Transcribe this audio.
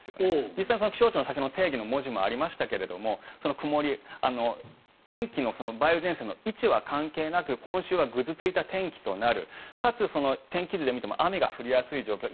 実際に気象庁の定義の文字もありましたけどその曇り、天気の梅雨前線の位置は関係なく今週はぐずついた天気となるかつ、天気図で見ても雨が降りやすい状況